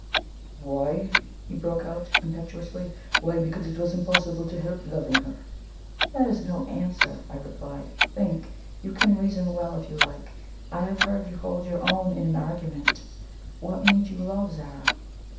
"Why!" he broke out impetuously. "Why, because it was impossible to help loving her." "That is no answer," I replied. "Think! You can reason well if you like I have heard you hold your own in an argument. What made you love Zara?"